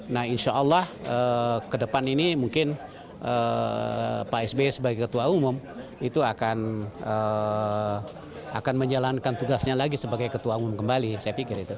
nah insya allah ke depan ini mungkin pak sby sebagai ketua umum itu akan menjalankan tugasnya lagi sebagai ketua umum kembali saya pikir itu